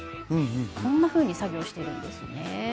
こんなふうに作業しているんですね。